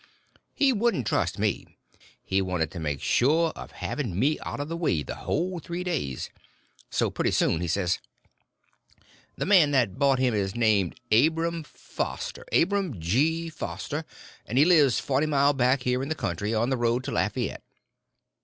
He wouldn't trust me; he wanted to make sure of having me out of the way the whole three days. So pretty soon he says: "The man that bought him is named Abram Foster—Abram G. Foster—and he lives forty mile back here in the country, on the road to Lafayette."